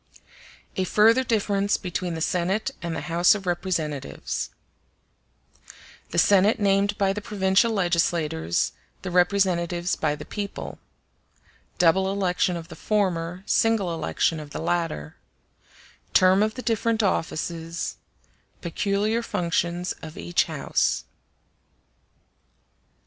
A Further Difference Between The Senate And The House Of Representatives The Senate named by the provincial legislators, the Representatives by the people—Double election of the former; single election of the latter—Term of the different offices—Peculiar functions of each House.